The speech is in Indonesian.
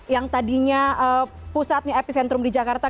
yang tadinya pusatnya epicentrum di jakarta